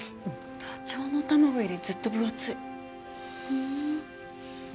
ダチョウの卵よりずっと分厚い。